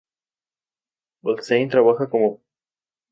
Holstein trabaja como consultor para el programa.